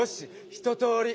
一とおり